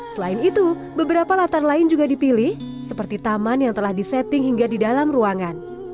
selain itu beberapa latar lain juga dipilih seperti taman yang telah disetting hingga di dalam ruangan